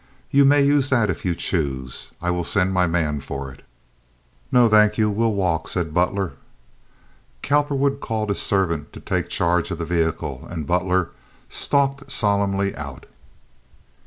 "You may use that if you choose. I will send my man for it." "No, thank you; we'll walk," said Butler. Cowperwood called his servant to take charge of the vehicle, and Butler stalked solemnly out.